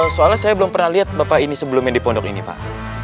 soalnya saya belum pernah lihat bapak ini sebelumnya di pondok ini pak